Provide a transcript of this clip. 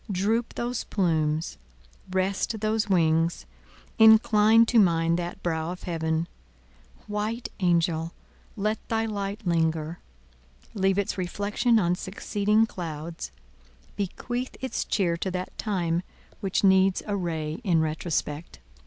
droop those plumes, rest those wings; incline to mine that brow of Heaven! White Angel! let thy light linger; leave its reflection on succeeding clouds; bequeath its cheer to that time which needs a ray in retrospect!